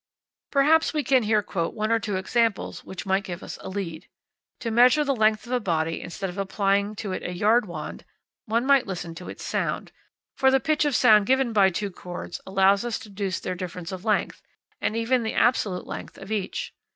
Perhaps we can here quote one or two examples which may give us a lead. To measure the length of a body instead of applying to it a yard wand, one might listen to its sound; for the pitch of the sound given by two cords allows us to deduce their difference of length, and even the absolute length of each.